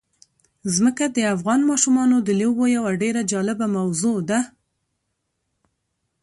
ځمکه د افغان ماشومانو د لوبو یوه ډېره جالبه موضوع ده.